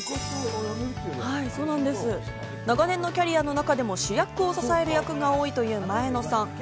長年のキャリアの中でも、主役を支える役が多いという前野さん。